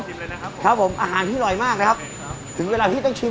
เลยนะครับครับผมอาหารพี่อร่อยมากนะครับถึงเวลาพี่ต้องชิม